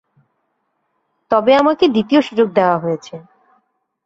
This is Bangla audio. তবে আমাকে দ্বিতীয় সুযোগ দেয়া হয়েছে।